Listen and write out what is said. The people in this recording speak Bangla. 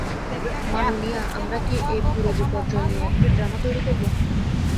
মাননীয়া, আমরা কি এই পুরো বিপর্যয় নিয়ে একটা ড্রামা তৈরি করব?